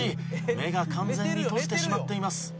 目が完全に閉じてしまっています。